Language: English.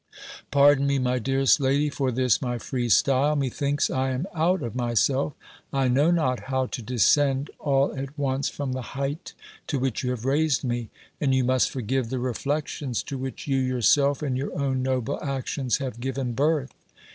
Pardon me, my dearest lady, for this my free style. Methinks I am out of myself! I know not how to descend all at once from the height to which you have raised me: and you must forgive the reflections to which you yourself and your own noble actions have given birth.